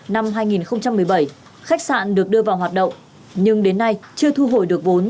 năm hai nghìn một mươi bảy khách sạn được đưa vào hoạt động nhưng đến nay chưa thu hồi được vốn